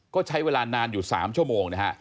ก็ใช้เวลานานอยู่๓ชั่วโมงนะฮะ